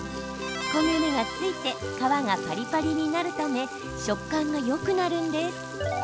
焦げ目がついて皮がパリパリになるため食感がよくなるんです。